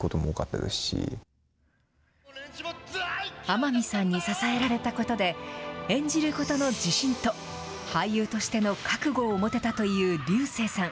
天海さんに支えられたことで、演じることの自信と俳優としての覚悟を持てたという竜星さん。